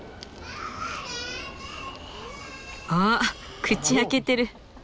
あっ口開けてる！